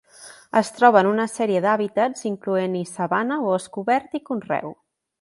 Es troba en una sèrie d'hàbitats, incloent-hi sabana, bosc obert i conreu.